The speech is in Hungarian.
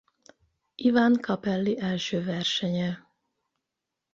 Ivan Capelli első versenye.